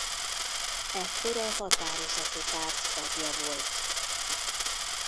Ekkor a Határozati Párt tagja volt.